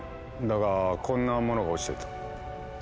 だがこんなものが落ちていた。